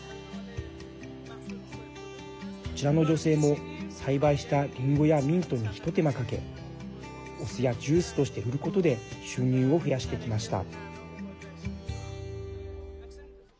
こちらの女性も栽培したりんごやミントにひと手間かけお酢やジュースとして売ることで収入を増やしてきました。